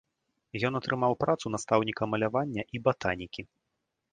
Ён атрымаў працу настаўніка малявання і батанікі.